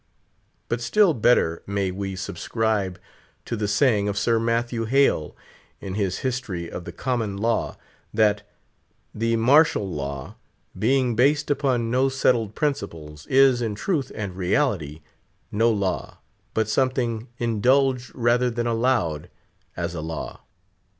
But still better may we subscribe to the saying of Sir Matthew Hale in his History of the Common Law, that "the Martial Law, being based upon no settled principles, is, in truth and reality, no law, but something indulged rather than allowed as a law."